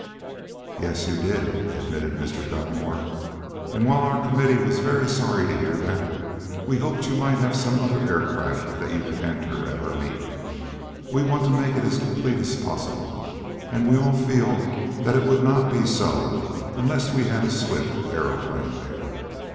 "Yes, you did," admitted Mr. Gunmore, "and while our committee was very sorry to hear that, we hoped you might have some other air craft that you could enter at our meet. We want to make it as complete as possible, and we all feel that it would not be so unless we had a Swift aeroplane there."